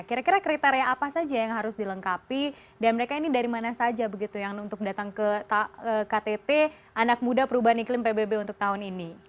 kira kira kriteria apa saja yang harus dilengkapi dan mereka ini dari mana saja begitu yang untuk datang ke ktt anak muda perubahan iklim pbb untuk tahun ini